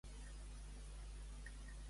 Què la feia ser popular, a la Maria Dolors?